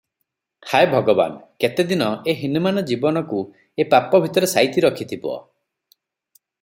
ହାୟ ଭଗବାନ୍- କେତେଦିନ ଏ ହିନମାନ ଜୀବନକୁ ଏ ପାପ ଭିତରେ ସାଇତି ରଖିଥିବ ।